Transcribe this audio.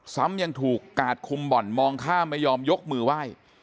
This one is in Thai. ซ้ำยังถูกกาดคุมบ่อนมองข้ามไม่ยอมยกมือไหว้